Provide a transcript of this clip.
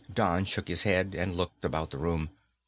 Don shook his head, and looked about the room.